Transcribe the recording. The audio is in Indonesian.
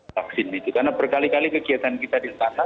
vaksin itu karena berkali kali kegiatan kita di rumah